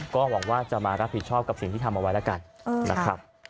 ก็หวังว่าจะมารับผิดชอบกับสิ่งที่ทำเอาไว้แล้วกันนะครับ